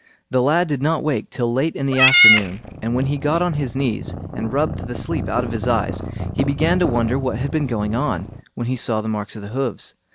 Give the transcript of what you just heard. The lad did not wake till late in the afternoon, and when he got on his knees and rubbed the sleep out of his eyes, he began to wonder what had been going on, when he saw the marks of hoofs.